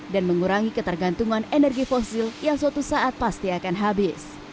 dan mengurangi ketergantungan energi fosil yang suatu saat pasti akan habis